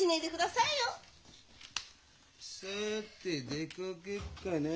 さて出かけっかな。